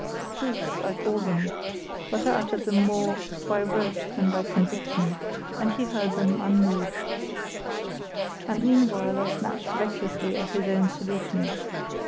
Truths I call them, but I uttered them more by rote than by conviction, and he heard them unmoved. And meanwhile I snatched recklessly at his own solution.